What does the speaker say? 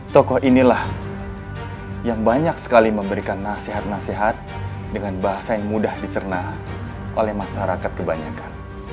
tokoh inilah yang banyak sekali memberikan nasihat nasihat dengan bahasa yang mudah dicerna oleh masyarakat kebanyakan